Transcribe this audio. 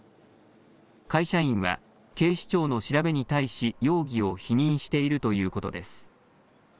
会社員は警視庁の調べに対し、容疑を否認しているということです。